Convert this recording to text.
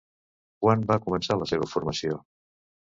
Quan va començar la seva formació?